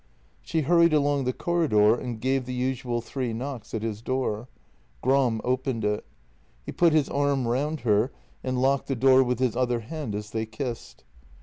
She hurried along the corridor and gave the usual three knocks at his door. Gram opened it. He put his arm round her, and locked the door with his other hand as they kissed.